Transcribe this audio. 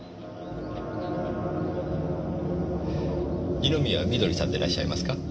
二宮緑さんでいらっしゃいますか？